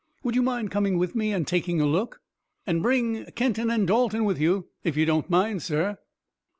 Would you mind coming with me and taking a look? And bring Kenton and Dalton with you, if you don't mind, sir."